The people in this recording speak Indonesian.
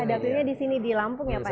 iya daktilnya di sini di lampung ya pak ya